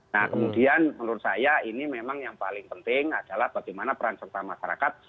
nah kemudian menurut saya ini memang yang paling penting adalah bagaimana peran serta masyarakat